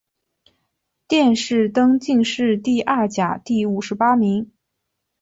殿试登进士第二甲第五十八名。